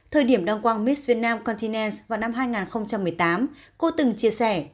thời điểm đăng quang miss vietnam continent vào năm hai nghìn một mươi tám cô từng chia sẻ